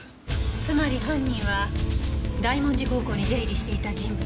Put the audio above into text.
つまり犯人は大文字高校に出入りしていた人物で。